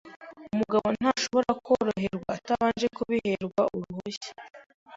Umugabo ntashobora kworoherwa atabanje kubiherwa uruhushya.